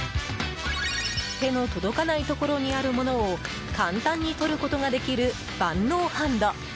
手の届かないところにあるものを簡単に取ることができる万能ハンド。